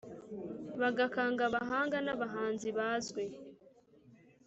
bagakanga abahanga n’abahanzi bazwi